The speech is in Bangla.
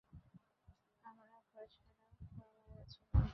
আমরা ঘর ছাড়িয়া পালাইয়াছিলাম।